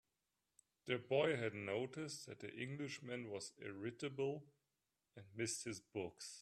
The boy had noticed that the Englishman was irritable, and missed his books.